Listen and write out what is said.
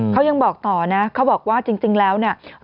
เขายังบอกต่อนะเขาบอกว่าจริงแล้วเนี่ย